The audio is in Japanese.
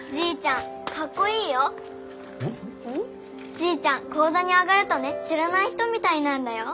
じいちゃん高座に上がるとね知らない人みたいなんだよ。